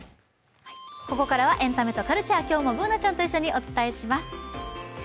ここからは、エンタメとカルチャー、今日もＢｏｏｎａちゃんと一緒にお伝えします。